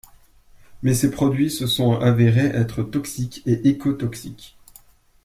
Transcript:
Mais ces produits se sont avérés être toxiques et écotoxiques.